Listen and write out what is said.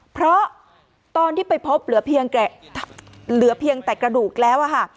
เพราะตอนที่ไปพบเหลือเพียงแต่กระดูกแล้วค่ะ